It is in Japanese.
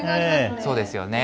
そうですよね。